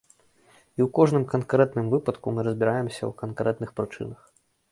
І ў кожным канкрэтным выпадку мы разбіраемся ў канкрэтных прычынах.